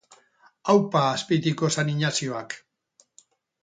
Aupa Azpeitiko San Ignazioak